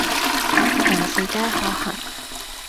凡事皆可行